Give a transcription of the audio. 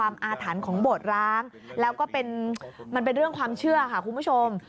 มันเป็นเรื่องความเชื่อค่ะคุณผู้ชม